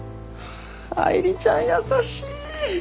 愛梨ちゃん優しい！